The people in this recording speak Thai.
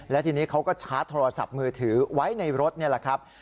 และทีนี้เขาก็ชาร์จโทรศัพท์มือถือไว้ในรถนี่แหละครับ